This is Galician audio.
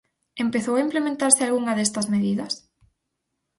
¿Empezou a implementarse algunha destas medidas?